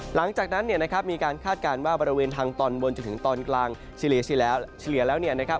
หลังจากนั้นเนี่ยนะครับมีการคาดการณ์ว่าบริเวณทางตอนบนจนถึงตอนกลางเฉลี่ยแล้วเนี่ยนะครับ